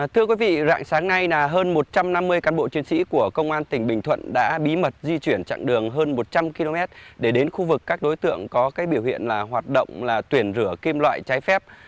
thưa quý vị rạng sáng nay hơn một trăm năm mươi can bộ chuyên sĩ của công an tỉnh bình thuận đã bí mật di chuyển chặng đường hơn một trăm linh km để đến khu vực các đối tượng có biểu hiện hoạt động tuyển rửa kim loại trái phép